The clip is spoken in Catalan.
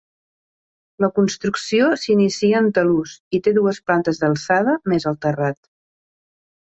La construcció s'inicia en talús i té dues plantes d'alçada més el terrat.